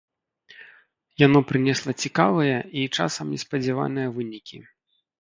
Яно прынесла цікавыя і часам неспадзяваныя вынікі.